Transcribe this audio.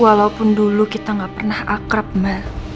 walaupun dulu kita gak pernah akrab ma